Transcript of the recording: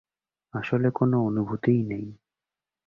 আসলে কোন অনুভূতিই নেই।